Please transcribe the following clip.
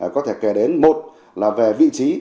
có thể kể đến một là về vị trí